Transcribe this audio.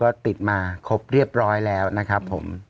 ๒ครอบครัวก็ติดมาครบเรียบร้อยแล้วไงครับผม